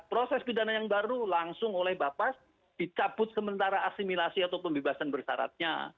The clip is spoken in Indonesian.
proses pidana yang baru langsung oleh bapak dicabut sementara asimilasi atau pembebasan bersaratnya